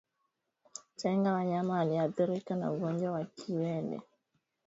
Tenga wanyama walioathirika na ugonjwa wa kiwele ili wasiwaambukize wenzao